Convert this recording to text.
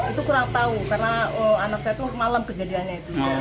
itu kurang tahu karena anak saya itu malam kejadiannya itu